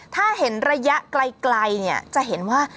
ถ้าเห็นระยะไกลจะเห็นว่า